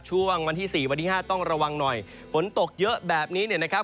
ช่วงวันที่สี่วันที่ห้าต้องระวังหน่อยฝนตกเยอะแบบนี้เนี่ยนะครับ